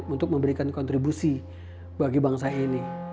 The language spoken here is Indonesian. untuk memberikan kontribusi bagi bangsa ini